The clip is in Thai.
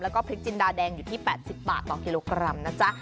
แล้วก็พริกจินดาแดงอยู่ที่๘๐บาทต่อกิโลกรัมนะจ๊ะ